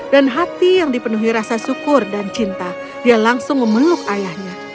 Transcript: dan hati yang dipenuhi rasa syukur dan cinta dia langsung memeluk ayahnya